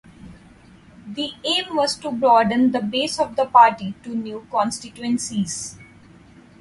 The aim was to broaden the base of the party to new constituencies.